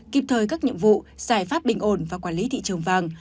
kịp thời các nhiệm vụ giải pháp bình ổn và quản lý thị trường vàng